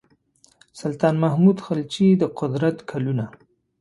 سلطان محمود خلجي د قدرت کلونه.